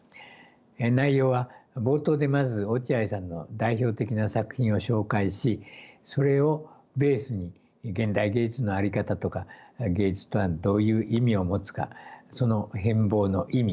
内容は冒頭でまず落合さんの代表的な作品を紹介しそれをベースに現代芸術の在り方とか芸術とはどういう意味を持つかその変貌の意味